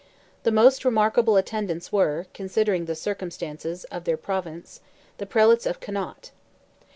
The most remarkable attendants were, considering the circumstances of their Province, the prelates of Connaught.